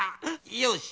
よし！